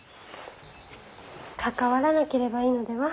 関わらなければいいのでは。